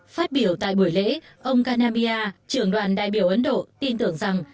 phát biểu tại buổi lễ ông kanambia trưởng đoàn đại biểu ấn độ tin tưởng rằng